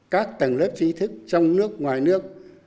các tầng lớp trí thức trong nước ngoài nước